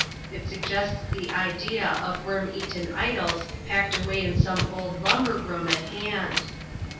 It suggests the idea of worm eaten idols packed away in some old lumber room at hand.